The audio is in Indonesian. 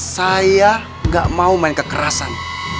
saya nggak mau main kekerasan